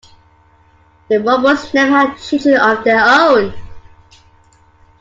The Rubbles never had children of their own.